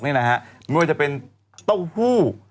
มีกว่าจะเป็นเต้าหู้